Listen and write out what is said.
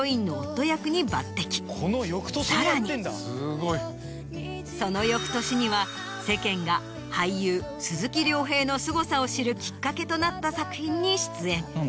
さらにその翌年には世間が俳優鈴木亮平のすごさを知るきっかけとなった作品に出演。